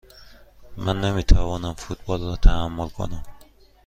من نمی توانم فوتبال را تحمل کنم.